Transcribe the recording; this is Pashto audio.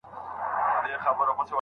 وروڼه يوسف عليه السلام ته احتياج سول.